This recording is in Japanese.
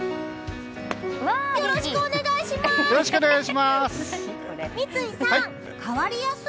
よろしくお願いします！